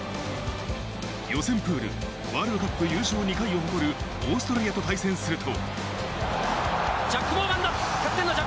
予選プール、ワールドカップ優勝２回を誇るオーストラリアと対戦すると。